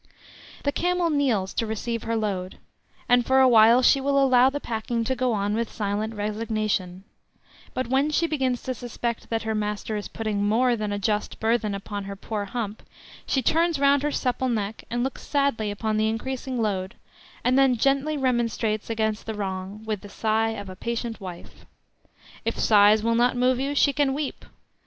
The camel kneels to receive her load, and for a while she will allow the packing to go on with silent resignation; but when she begins to suspect that her master is putting more than a just burthen upon her poor hump she turns round her supple neck and looks sadly upon the increasing load, and then gently remonstrates against the wrong with the sigh of a patient wife. If sighs will not move you, she can weep.